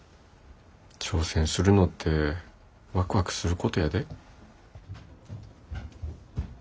挑戦するのってわくわくすることやで。